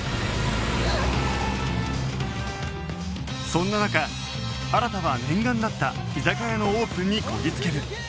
そんな中新は念願だった居酒屋のオープンにこぎ着ける